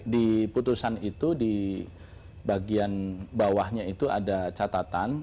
di putusan itu di bagian bawahnya itu ada catatan